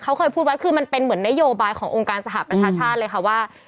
เขาเคยพูดไว้คือมันเป็นเหมือนนโยบายขององค์การสหประชาชาติเลยค่ะว่า